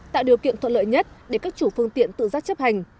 tạo điều kiện thuận lợi nhất để các chủ phương tiện tự giác chấp hành